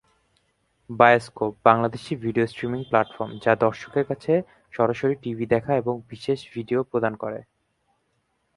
Bioscope, বাংলাদেশী video streaming platform যা দর্শকদের কাছে সরাসরি টিভি দেখা এবং বিশেষ ভিডিও প্রদান করে।